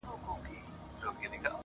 تا ویل د بنده ګانو نګهبان یم-